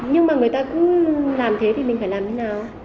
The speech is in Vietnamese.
nhưng mà người ta cũng làm thế thì mình phải làm như thế nào